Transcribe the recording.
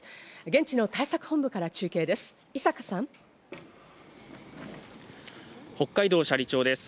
現地の対策本部から中継です。